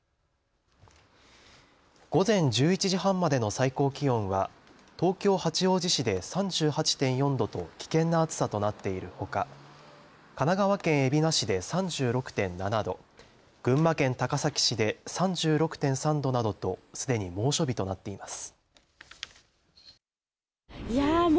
午前１１時半までの最高気温は東京八王子市で３８．４度と危険な暑さとなっているほか神奈川県海老名市で３６．７度群馬県高崎市で３６．３度などとすでに猛暑日となっています。